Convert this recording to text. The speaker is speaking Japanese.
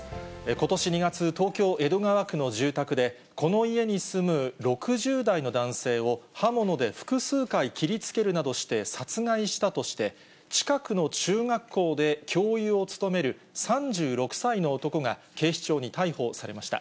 ことし２月、東京・江戸川区の住宅で、この家に住む６０代の男性を、刃物で複数回切りつけるなどして殺害したとして、近くの中学校で教諭を務める３６歳の男が警視庁に逮捕されました。